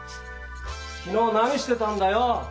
昨日何してたんだよ？